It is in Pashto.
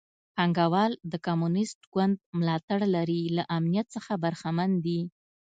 پانګوال د کمونېست ګوند ملاتړ لري له امنیت څخه برخمن دي.